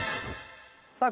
さあ